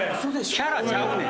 キャラちゃうねん。